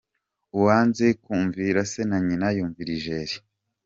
Uwanze kumvira se na nyina yumvira ijeri.